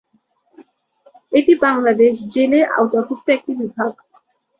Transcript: এটি বাংলাদেশ জেল-এর আওতাভুক্ত একটি বিভাগ।